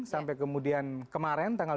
sampai kemudian kemarin tanggal dua puluh empat